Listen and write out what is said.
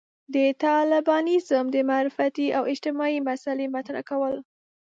د طالبانيزم د معرفتي او اجتماعي مسألې مطرح کول.